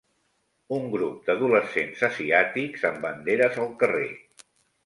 Un grup d'adolescents asiàtics amb banderes al carrer.